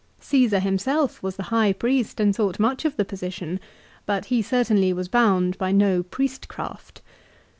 Caesar himself was the High Priest and thought much of the position, hut he certainly was hound by no priestcraft.